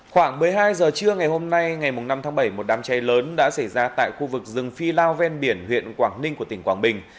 khoảng một mươi hai giờ trưa ngày hôm nay ngày năm tháng bảy một đám cháy lớn đã xảy ra tại khu vực rừng phi lao ven biển huyện quảng ninh của tỉnh quảng bình